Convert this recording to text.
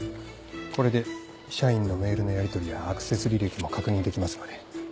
これで社員のメールのやりとりやアクセス履歴も確認できますので。